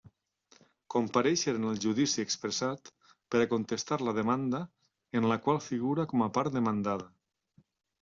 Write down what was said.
Comparéixer en el judici expressat, per a contestar a la demanda, en la qual figura com a part demandada.